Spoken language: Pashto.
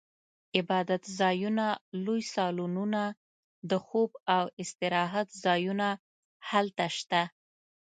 عبادتځایونه، لوی سالونونه، د خوب او استراحت ځایونه هلته شته.